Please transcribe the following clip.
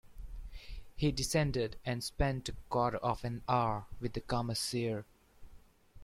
He descended and spent a quarter of an hour with the Commissaire.